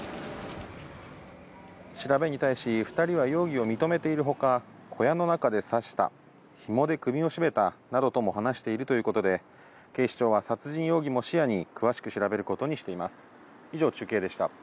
調べに対し２人は容疑を認めているほか、小屋の中で刺した、ひもで首を絞めたなどとも話しているということで、警視庁は殺人容疑も視野に詳しく調べることにしています。